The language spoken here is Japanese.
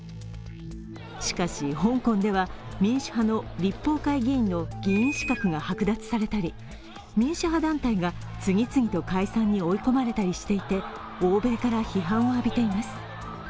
しかし、香港では民主派の立法会議員の議員資格がはく奪されたり、民主派団体が次々と解散に追い込まれていたりしていて、欧米から批判を浴びています。